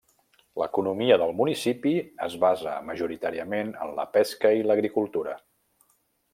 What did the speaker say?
L'economia del municipi es basa majoritàriament en la pesca i l'agricultura.